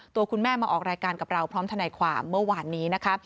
ตัวคุณแม่มาออกรายการกับเราพร้อมทนายความเมื่อวานนี้นะคะ